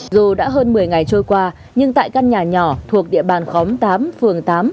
dù đã hơn một mươi ngày trôi qua nhưng tại căn nhà nhỏ thuộc địa bàn khóm tám phường tám